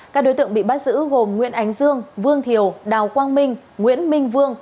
các đối tượng bị bắt giữ gồm nguyễn ánh dương vương thiều đào quang minh nguyễn minh vương